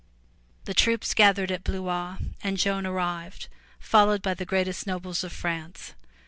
The troops gathered at Blois and Joan arrived there followed by the greatest nobles of France.